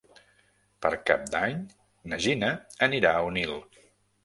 Per Cap d'Any na Gina anirà a Onil.